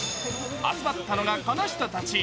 集まったのが、この人たち。